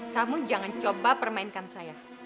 kamu jangan coba permainkan saya